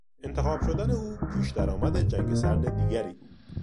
انتخاب شدن او پیش درآمد جنگ سرد دیگری بود.